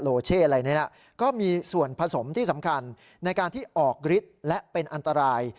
เช่อะไรนี้นะก็มีส่วนผสมที่สำคัญในการที่ออกฤทธิ์และเป็นอันตราย